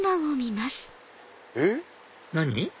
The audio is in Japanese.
えっ⁉何？